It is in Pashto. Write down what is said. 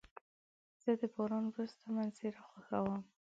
زه د باران وروسته منظره خوښوم.